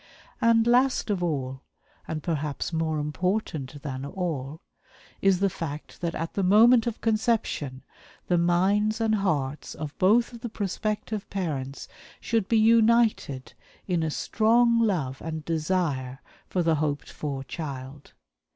And, last of all and perhaps more important than all is the fact that at the moment of conception the minds and hearts of both of the prospective parents should be united in a strong love and desire for the hoped for child.